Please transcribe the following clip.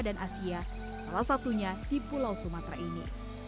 dan asia salah satunya di pulau sumatera ini